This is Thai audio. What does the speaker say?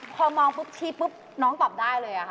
พอมองพุกชี้ปุ๊บน้องตอบได้เลยนะครับ